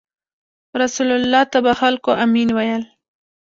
رسول الله ﷺ ته به خلکو “امین” ویل.